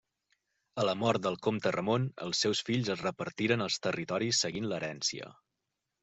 A la mort del comte Ramon els seus fills es repartiren els territoris seguint l'herència.